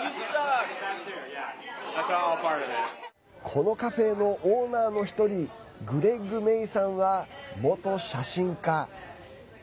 このカフェのオーナーの１人グレッグ・メイさんは元写真家。